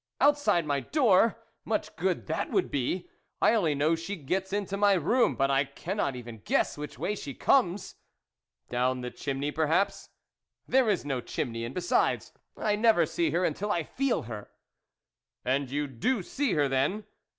" Outside my door ! Much good that would be ! I only know she gets into my room, but I cannot even guess which way she comes." " Down the chimney, perhaps ?"" There is no chimney, and besides, I never see her until I feel her." " And you do see her, then ?